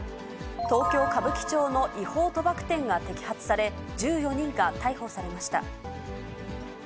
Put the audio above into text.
東京・歌舞伎町の違法賭博店が摘発され、１４人が逮捕されました。